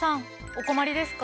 お困りですか？